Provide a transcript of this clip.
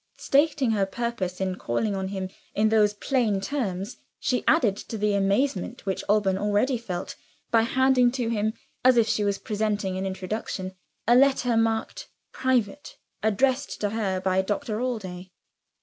Stating her purpose in calling on him in those plain terms, she added to the amazement which Alban already felt, by handing to him as if she was presenting an introduction a letter marked, "Private," addressed to her by Doctor Allday.